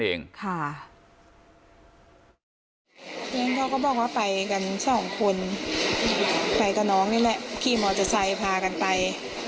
เขาก็บอกว่าไปกันสองคนไปกับน้องนี่แหละขี่มอเตอร์ไซค์พากันไป